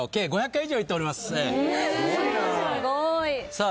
さあ